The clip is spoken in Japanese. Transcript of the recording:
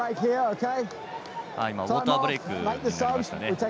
ウォーターブレークになりましたね。